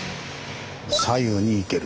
左右に行ける。